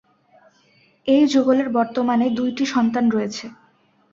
এই যুগলের বর্তমানে দুইটি সন্তান রয়েছে।